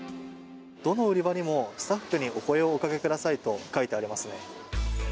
どの売り場にも、スタッフにお声をおかけくださいと書いてありますね。